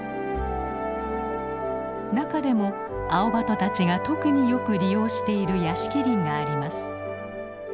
中でもアオバトたちが特によく利用している屋敷林があります。